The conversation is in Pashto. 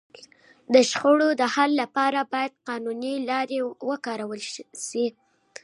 د شخړو د حل لپاره باید قانوني لاري وکارول سي.